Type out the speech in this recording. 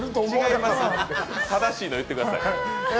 正しいの言ってください。